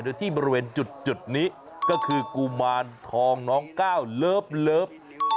โดยที่บริเวณจุดนี้ก็คือกุมารทองน้องก้าวเลิฟ